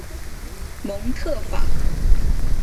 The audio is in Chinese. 蒙特法。